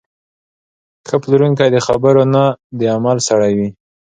ښه پلورونکی د خبرو نه، د عمل سړی وي.